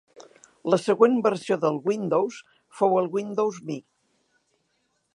La següent versió del Windows fou el Windows Me.